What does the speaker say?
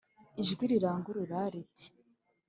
Ijwi rirarangurura riti